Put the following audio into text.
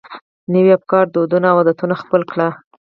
نوي افکار، دودونه او عادتونه خپل کړي.